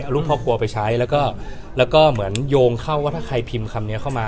เอารูปครอบครัวไปใช้แล้วก็เหมือนโยงเข้าว่าถ้าใครพิมพ์คำนี้เข้ามา